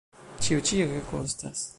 Ĉio ĉi ege kostas.